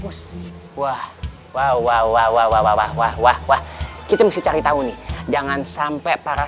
bos wah wah wah wah wah wah wah wah wah kita bisa cari tahu nih jangan sampai para